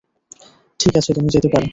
ঠিক আছে, তুমি যেতে পারো।